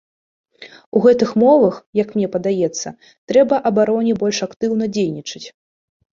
У гэтых умовах, як мне падаецца, трэба абароне больш актыўна дзейнічаць.